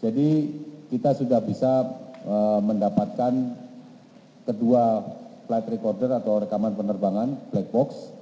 jadi kita sudah bisa mendapatkan kedua flight recorder atau rekaman penerbangan black box